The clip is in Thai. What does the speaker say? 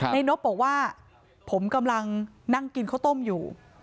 นบบอกว่าผมกำลังนั่งกินข้าวต้มอยู่